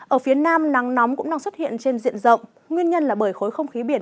ở phía nam nắng nóng cũng đang xuất hiện trên diện rộng nguyên nhân là bởi khối không khí biển